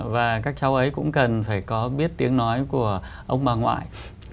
và các cháu ấy cũng cần phải có biết tiếng nói của ông bà ngoại